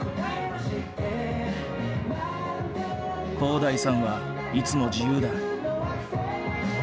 洸大さんはいつも自由だ。